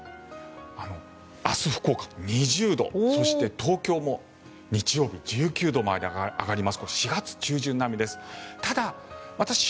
明日福岡、２０度そして東京も日曜１９度まで上がります。